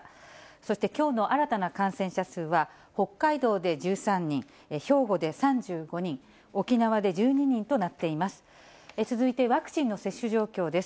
そして、きょうの新たな感染者数は、北海道で１３人、兵庫で３５人、沖縄で１２人となっています。